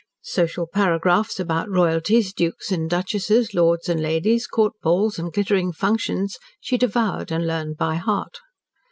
Social paragraphs about royalties, dukes and duchesses, lords and ladies, court balls and glittering functions, she devoured and learned by heart.